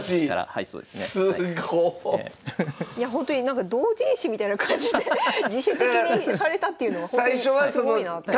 いやほんとになんか同人誌みたいな感じで自主的にされたっていうのがほんとにすごいなって。